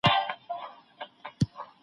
ټولنپوهنه د ټولنيزو علومو مور ده.